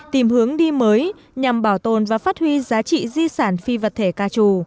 tìm hướng đi mới nhằm bảo tồn và phát huy giá trị di sản phi vật thể ca trù